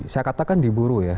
saya katakan diburu ya